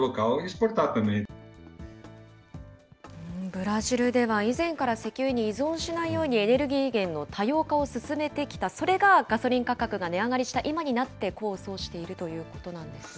ブラジルでは以前から石油に依存しないようにエネルギー源の多様化を進めてきた、それがガソリン価格が値上がりした今になって、功を奏しているということなんですね。